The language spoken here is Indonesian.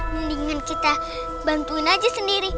mendingan kita bantuin aja sendiri